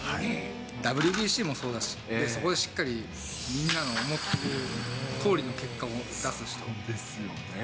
ＷＢＣもそうだし、そこでしっかりみんなの思ったとおりの結果を出す人。ですよね。